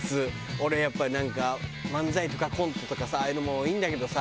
俺やっぱりなんか漫才とかコントとかさああいうのもいいんだけどさ